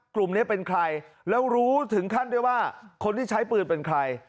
กลุ่มนี้เป็นใครแล้วรู้ถึงขั้นด้วยว่าคนที่ใช้ปืนเป็นใคร